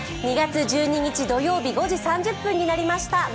２月１２日土曜日５時３０分になりました。